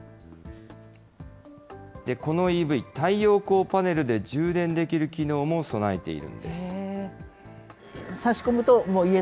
このＥＶ、太陽光パネルで充電できる機能も備えているんです。